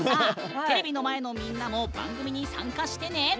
テレビの前のみんなも番組に参加してね！